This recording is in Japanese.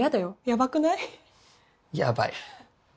やばい。